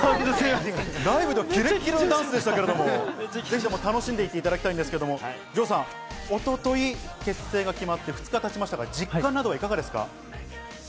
ライブのキレッキレのダンスでしたけど、ぜひ楽しんでいっていただきたいですけど、ＪＯさん、一昨日に結成が決まって２日が経ちましたが実感などはいかがですか？